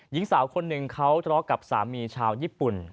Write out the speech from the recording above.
ยิงสาวคน๑เขาตลอกกับสามีชาวญี่ปุ่น